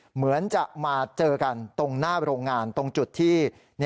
เหมือนจะมาเจอกันตรงหน้าโรงงานตรงจุดที่